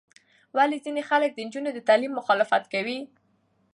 ولې ځینې خلک د نجونو د تعلیم مخالفت کوي؟